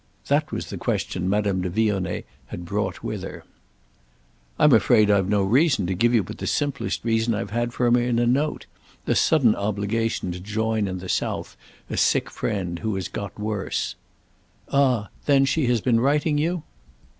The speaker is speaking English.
That was the question Madame de Vionnet had brought with her. "I'm afraid I've no reason to give you but the simple reason I've had from her in a note—the sudden obligation to join in the south a sick friend who has got worse." "Ah then she has been writing you?"